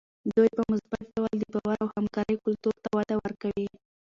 دوی په مثبت ډول د باور او همکارۍ کلتور ته وده ورکوي.